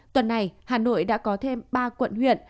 tuần này hà nội đã có thêm ba quận huyện